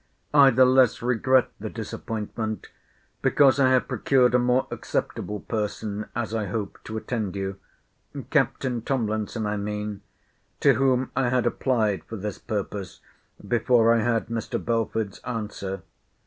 I the less regret the disappointment, because I have procured a more acceptable person, as I hope, to attend you; Captain Tomlinson I mean: to whom I had applied for this purpose, before I had Mr. Belford's answer.